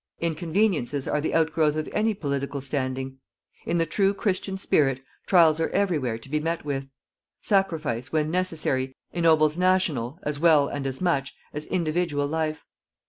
Inconveniences are the outgrowth of any political standing. In the true Christian spirit, trials are everywhere to be met with. Sacrifice, when necessary, ennobles national as well, and as much, as individual life.